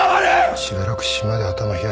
しばらく島で頭冷やしてこい。